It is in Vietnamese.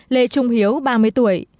lê trung hiếu ba mươi tuổi